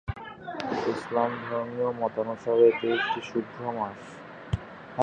ইসলাম ধর্মীয় মতানুসারে, এটি একটি শুভ মাস।